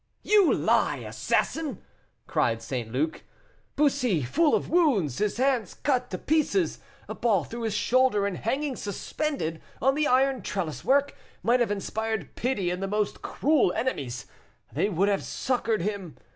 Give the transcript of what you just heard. "You lie, assassin!" cried St. Luc. "Bussy, full of wounds, his hands cut to pieces, a ball through his shoulder, and hanging suspended on the iron trellis work, might have inspired pity in his most cruel enemies; they would have succored him.